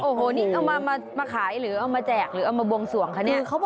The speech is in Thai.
โอ้โหนี่เอามาขายหรือเอามาแจกหรือเอามาบวงสวงคะเนี่ย